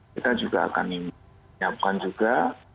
kita juga akan menyiapkan juga